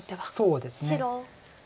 そうですね。